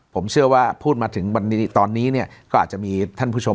ผมเชื่อว่าพูดมาถึงตอนนี้เนี่ยก็อาจจะมีท่านผู้ชม